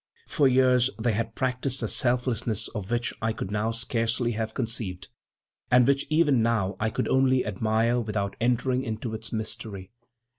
For years they had practiced a selflessness of which I could once scarcely have conceived, and which even now I could only admire without entering into its mystery.